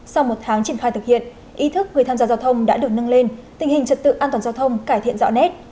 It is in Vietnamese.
sau một tháng triển khai thực hiện ý thức người tham gia giao thông đã được nâng lên tình hình trật tự an toàn giao thông cải thiện rõ nét